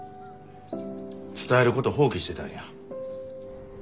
伝えること放棄してたんや。